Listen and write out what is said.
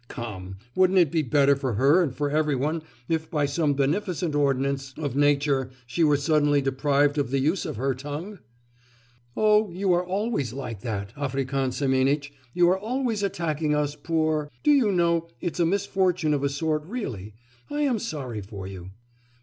Come, wouldn't it be better for her and for every one if by some beneficent ordinance of nature she were suddenly deprived of the use of her tongue?' 'Oh, you are always like that, African Semenitch; you are always attacking us poor... Do you know it's a misfortune of a sort, really? I am sorry for you.